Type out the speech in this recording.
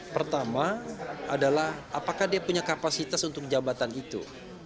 pertama adalah apakah dia punya kapasitas untuk jabatan itu